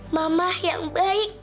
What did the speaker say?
mama yang baik